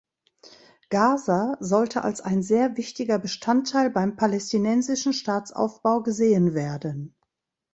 Gaza sollte als ein sehr wichtiger Bestandteil beim palästinensischen Staatsaufbau gesehen werden.